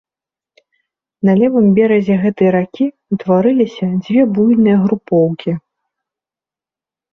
На левым беразе гэтай ракі ўтварыліся дзве буйныя групоўкі.